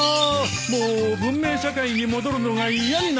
もう文明社会に戻るのが嫌になった。